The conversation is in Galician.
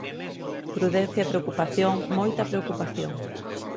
Prudencia e preocupación, moita preocupación.